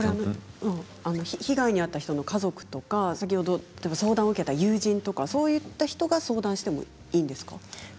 被害に遭った人の家族や相談を受けた友人とかそういった人が相談してもいいんですか？